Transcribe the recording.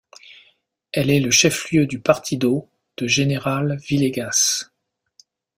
Elle est le chef-lieu du partido de General Villegas.